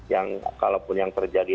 yang kalaupun yang terjadi